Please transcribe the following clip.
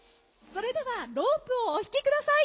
それではロープをお引きください。